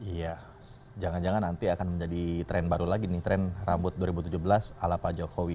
iya jangan jangan nanti akan menjadi tren baru lagi nih tren rambut dua ribu tujuh belas ala pak jokowi